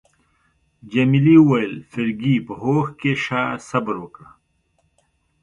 جميلې وويل: فرګي، په هوښ کي شه، صبر وکړه.